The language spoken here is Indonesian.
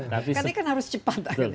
tapi kan harus cepat